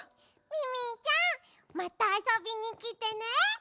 ミミィちゃんまたあそびにきてね。